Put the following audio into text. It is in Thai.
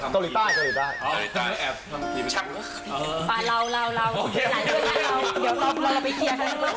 ตอนนี้เขาบอกว่าเกาหลีเหนือเนี่ย